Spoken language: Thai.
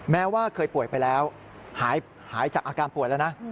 แม้ว่าเคยป่วยไปแล้วหายจากอาการป่วยแล้วนะ